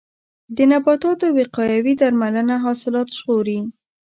د نباتاتو وقایوي درملنه حاصلات ژغوري.